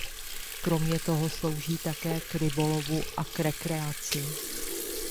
Kromě toho slouží také k rybolovu a k rekreaci.